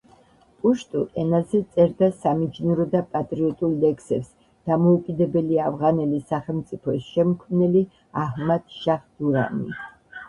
პუშტუ ენაზე წერდა სამიჯნურო და პატრიოტულ ლექსებს დამოუკიდებელი ავღანელი სახელმწიფოს შემქმნელი აჰმად-შაჰ დურანი.